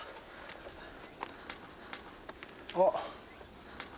あっ。